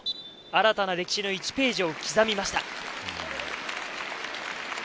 新たな歴史の１ページを刻みました。